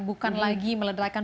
bukan lagi meledakan bohong bohong